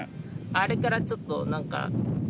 あれからちょっとなんか色々。